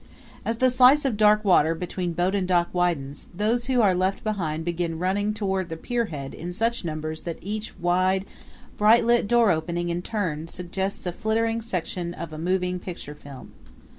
As the slice of dark water between boat and dock widens, those who are left behind begin running toward the pierhead in such numbers that each wide, bright lit door opening in turn suggests a flittering section of a moving picture film.